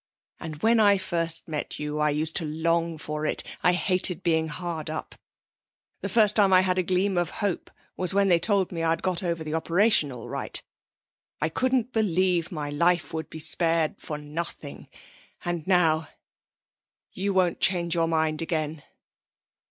And when I first met you I used to long for it. I hated being hard up.... The first time I had a gleam of hope was when they told me I'd got over the operation all right. I couldn't believe my life would be spared, for nothing. And now you won't change your mind again?'